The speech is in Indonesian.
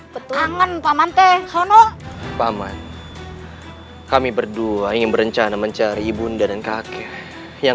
betul betul mantep sono paman kami berdua ingin berencana mencari bunda dan kakek yang